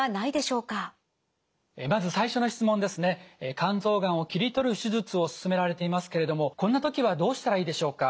肝臓がんを切り取る手術を勧められていますけれどもこんな時はどうしたらいいでしょうか？